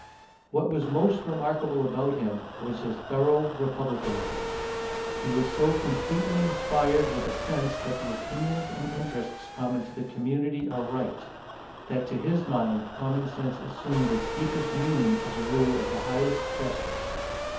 What was most remarkable in him was his thorough Republicanism. He was so completely inspired with a sense that the opinions and interests common to the community are right, that to his mind common sense assumed its deepest meaning as a rule of the highest justice.